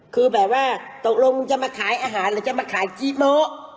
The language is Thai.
คือแบบว่าตกลงมึงจะมาขายอาหารหรือจะมาขายจีโมะ